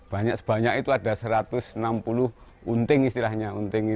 banyak sebanyak itu ada satu ratus enam puluh unting istilahnya